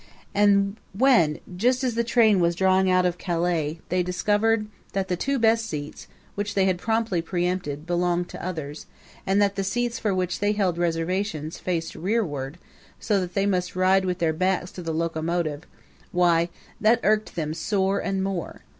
And when, just as the train was drawing out of Calais, they discovered that the best two seats, which they had promptly preempted, belonged to others, and that the seats for which they held reservations faced rearward, so that they must ride with their backs to the locomotive why, that irked them sore and more.